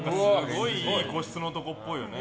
すごいいい個室のところっぽいよね。